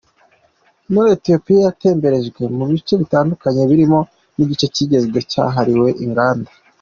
Muri Ethiopia, yatemberejwe mu bice bitandukanye birimo n’igice kigezweho cyahariwe inganda.